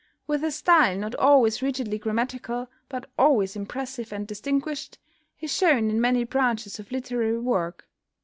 With a style not always rigidly grammatical, but always impressive and distinguished, he shone in many branches of literary work.